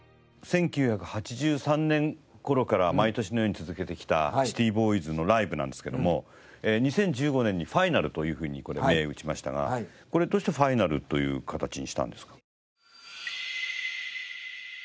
１９８３年頃から毎年のように続けてきたシティボーイズのライブなんですけども２０１５年にファイナルというふうに銘打ちましたがこれどうしてファイナルという形にしたんですか？